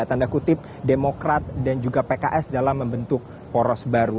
tanda kutip demokrat dan juga pks dalam membentuk poros baru